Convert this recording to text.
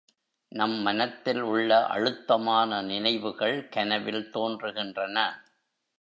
நம் மனத்தில் உள்ள அழுத்தமான நினைவுகள் கனவில் தோன்றுகின்றன.